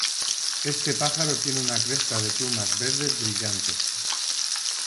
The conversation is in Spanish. Este pájaro tiene una cresta de plumas verdes brillantes.